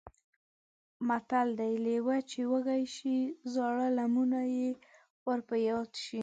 متل دی: لېوه چې وږی شي زاړه لمونه یې ور په یاد شي.